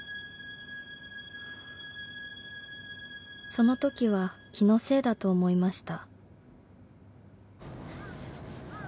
［そのときは気のせいだと思いました］